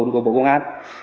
của bộ công an